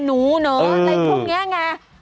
หนูเหรออะไรพวกนี้ไง